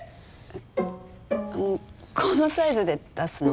このサイズで出すの？